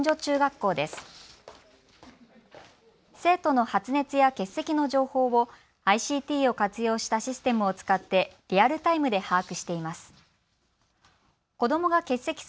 生徒の発熱や欠席の情報をＩＣＴを活用したシステムを使ってリアルタイムで把握しています。